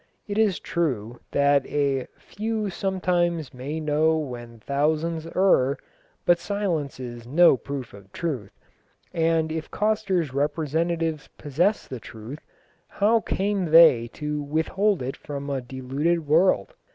It is true that "few sometimes may know when thousands err," but silence is no proof of truth, and if Coster's representatives possessed the truth, how came they to withhold it from a deluded world?